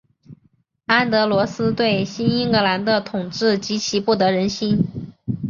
安德罗斯对新英格兰的统治极其不得人心。